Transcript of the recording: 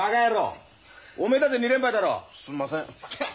すんません。